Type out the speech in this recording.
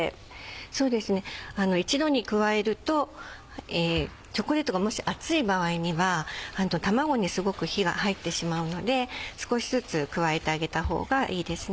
そうですね一度に加えるとチョコレートがもし熱い場合には卵にすごく火が入ってしまうので少しずつ加えてあげたほうがいいですね。